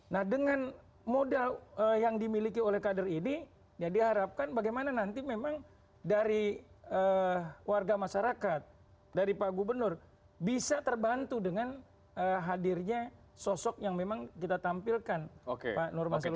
nah dengan modal yang dimiliki oleh kader ini ya diharapkan bagaimana nanti memang dari warga masyarakat dari pak gubernur bisa terbantu dengan hadirnya sosok yang memang kita tampilkan pak nurman gula